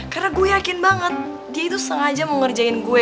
karena gue yakin banget dia itu sengaja mau ngerjain gue